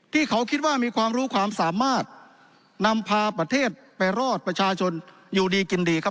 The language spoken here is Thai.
ที่เขาคิดว่ามีความรู้ความสามารถนำพาประเทศไปรอดประชาชนอยู่ดีกินดีครับ